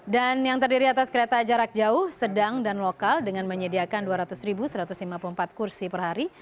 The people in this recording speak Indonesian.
dan yang terdiri atas kereta jarak jauh sedang dan lokal dengan menyediakan dua ratus satu ratus lima puluh empat kursi per hari